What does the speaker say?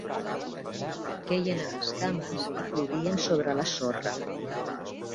Queien en escames i plovien sobre la sorra.